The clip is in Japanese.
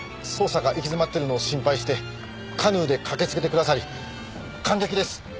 捜査が行き詰まっているのを心配してカヌーで駆けつけてくださり感激です。